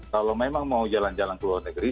kalau memang mau jalan jalan ke luar negeri